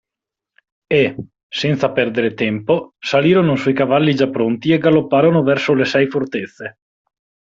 E, senza perdere tempo, salirono sui cavalli già pronti e galopparono verso le sei fortezze.